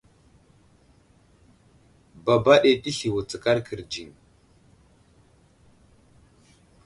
Baba ɗi təsli wutskar kərdziŋ.